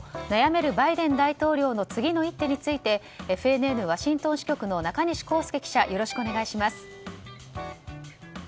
悩めるバイデン大統領の次の一手についてＦＮＮワシントン支局の中西孝介記者